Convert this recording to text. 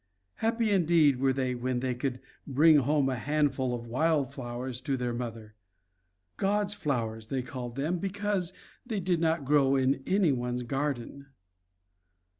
Happy indeed were they when they could bring home a handful of wild flowers to their mother. "God's flowers" they called them, because they did not grow in anyone's garden.